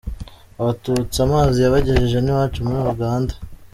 Abatutsi amazi yabagejeje n’iwacu muri Uganda.